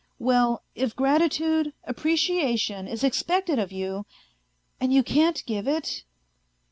Well, if gratitude, appreciation, is expected of you, ... and you can't give it